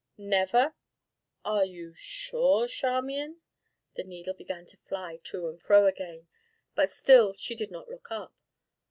"Never? are you sure, Charmian?" The needle began to fly to and fro again, but still she did not look up.